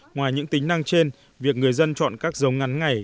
ngoài những tính năng trên việc người dân chọn các giống ngắn ngày